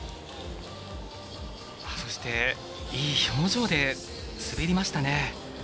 そして、いい表情で滑りましたね。